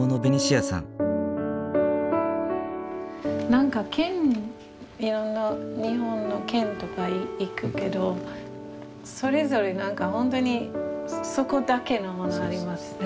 何か県いろんな日本の県とか行くけどそれぞれ何かホントにそこだけのものありますね。